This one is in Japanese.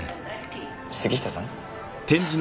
杉下さん？